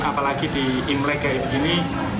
apalagi di imlek kayak begini